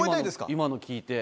今の聞いて。